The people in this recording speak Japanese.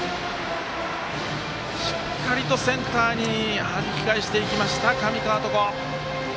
しっかりとセンターにはじき返していきました上川床。